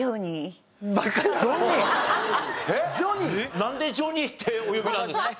なんでジョニーってお呼びなんですか？